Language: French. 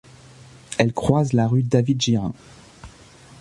Elle croise la rue David-Girin.